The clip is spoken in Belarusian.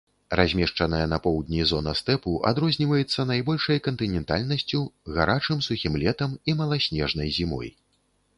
Размешчаная на поўдні зона стэпу адрозніваецца найбольшай кантынентальнасцю, гарачым сухім летам і маласнежнай зімой.